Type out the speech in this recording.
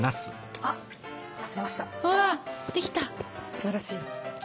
素晴らしい。